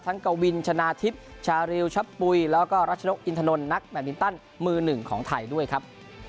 กวินชนะทิพย์ชาริวชับปุ๋ยแล้วก็รัชนกอินทนนทนักแบตมินตันมือหนึ่งของไทยด้วยครับ